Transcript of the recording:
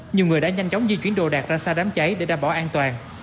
nhiều người đã nhanh chóng di chuyển đồ đạc ra xa đám cháy để đảm bảo an toàn